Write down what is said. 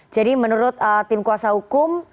jadi menurut tim kuasa hukum